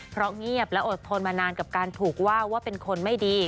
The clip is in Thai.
เพราะเงียบและอดทนมานานกับการถูกว่าว่าเป็นคนไม่ดี